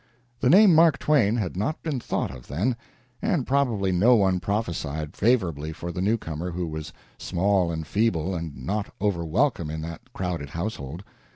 The name Mark Twain had not been thought of then, and probably no one prophesied favorably for the new comer, who was small and feeble, and not over welcome in that crowded household.